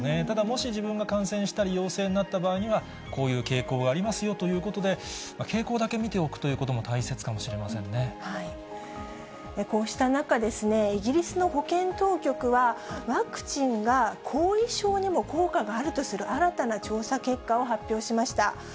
ただもし自分が感染したり、陽性になった場合には、こういう傾向がありますよということで、傾向だけ見ておくということも大こうした中、イギリスの保健当局は、ワクチンが後遺症にも効果があるとする、新たな調査結果を発表しました。